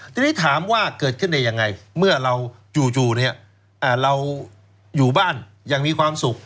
ทีนี้ถามว่าเกิดขึ้นได้ยังไงเมื่อเราจู่เราอยู่บ้านอย่างมีความสุข